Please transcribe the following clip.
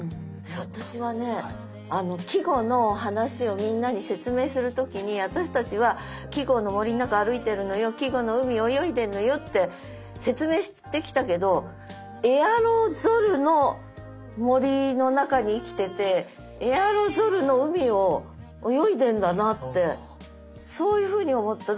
私はね季語の話をみんなに説明する時に「私たちは季語の森の中歩いてるのよ季語の海を泳いでんのよ」って説明してきたけどエアロゾルの森の中に生きててエアロゾルの海を泳いでんだなってそういうふうに思った。